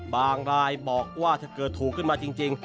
รายบอกว่าถ้าเกิดถูกขึ้นมาจริง